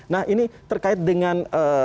nah ini terkait dengan